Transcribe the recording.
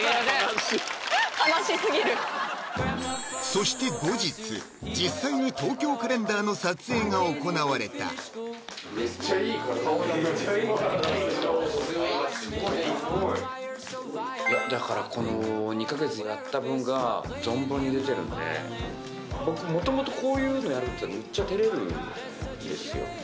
そして後日実際に「東京カレンダー」の撮影が行われためっちゃいい体スゴいなスゴいいやだからこの２か月やった分が存分に出てるんで僕もともとこういうのやるってむっちゃてれるんですよ